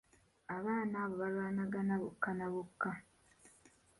Abaana abo baalwanagana bokka na bokka.